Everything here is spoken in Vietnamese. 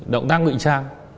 động tác ngụy trang